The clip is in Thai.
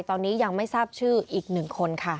ตอนนี้ยังไม่ทราบชื่ออีก๑คนค่ะ